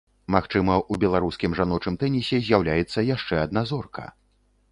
Магчыма, у беларускім жаночым тэнісе з'яўляецца яшчэ адна зорка.